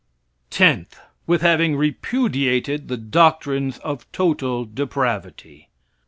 Tenth. With having repudiated the doctrines of total depravity.